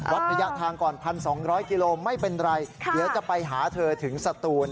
ระยะทางก่อน๑๒๐๐กิโลไม่เป็นไรเดี๋ยวจะไปหาเธอถึงสตูน